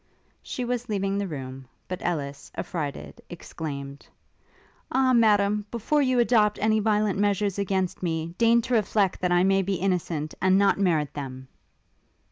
She was leaving the room; but Ellis, affrighted, exclaimed, 'Ah, Madam, before you adopt any violent measures against me, deign to reflect that I may be innocent, and not merit them!'